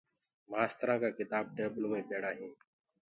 مآسترآنٚ ڪآ ڪِتآب ٽيبلو مينٚ پيڙآ هينٚ۔